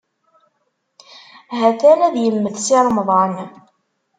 Ha-t-an ad immet Si Remḍan.